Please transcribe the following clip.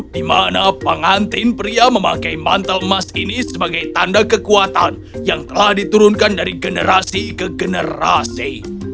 di mana pengantin pria memakai mantel emas ini sebagai tanda kekuatan yang telah diturunkan dari generasi ke generasi